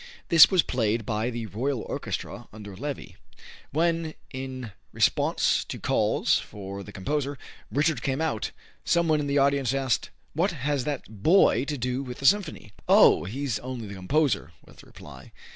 This was played by the Royal Orchestra under Levi. When, in response to calls for the composer, Richard came out, some one in the audience asked: "What has that boy to do with the symphony?" "Oh, he's only the composer," was the reply.